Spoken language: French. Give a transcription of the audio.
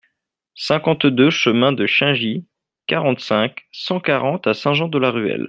cinquante-deux chemin de Chaingy, quarante-cinq, cent quarante à Saint-Jean-de-la-Ruelle